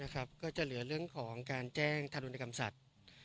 ก็จะเหลือเรื่องของการแจ้งทารุณกรรมสัตว์